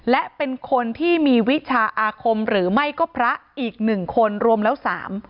และเป็นคนที่มีวิชาอาคมหรือไม่ก็พระอีกหนึ่งคนรวมแล้วสาม